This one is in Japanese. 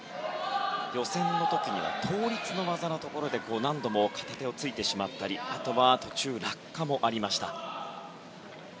予選の時には倒立の技のところで何度も片手をついてしまったりあとは途中で落下もありました。